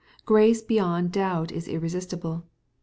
Grace beyond doubt is irresistible.